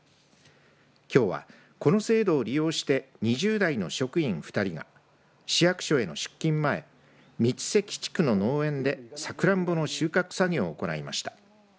きょうは、この制度を利用して２０代の職員２人が市役所への出勤前三関地区の農園でさくらんぼの収穫作業を行いました。